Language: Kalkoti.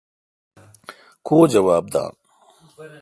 کو جواب داین۔